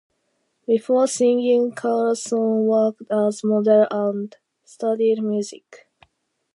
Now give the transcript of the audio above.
Before singing Carlson worked as model and studied music.